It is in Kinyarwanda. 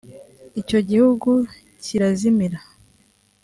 icyo gihugu kirazimira